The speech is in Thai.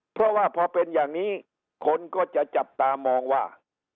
เพราะว่าพอเป็นอย่างนี้คนก็จะจับตามองว่า